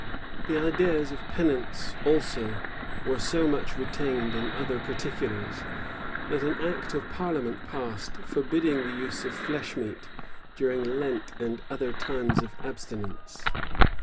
[*] The ideas of penance also were so much retained in other particulars, that an act of parliament passed, forbidding the use of flesh meat during Lent and other times of abstinence.